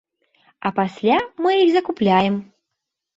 А пасля мы іх закупляем!